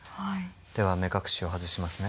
では目隠しを外しますね。